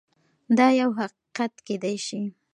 دا يو حقيقت کيدای شي.